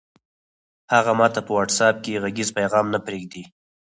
هغه ماته په وټس اپ کې غږیز پیغام نه پرېږدي!